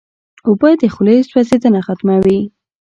اوبه د خولې سوځېدنه ختموي.